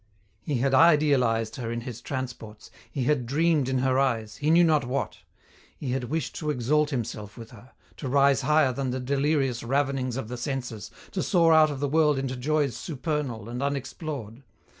He had idealized her in his transports, he had dreamed in her eyes he knew not what! He had wished to exalt himself with her, to rise higher than the delirious ravenings of the senses, to soar out of the world into joys supernal and unexplored.